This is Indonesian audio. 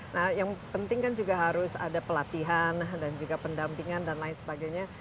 nah yang penting kan juga harus ada pelatihan dan juga pendampingan dan lain sebagainya